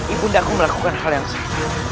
ibu ndaku melakukan hal yang salah